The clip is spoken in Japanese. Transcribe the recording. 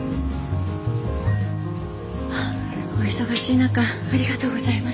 お忙しい中ありがとうございます。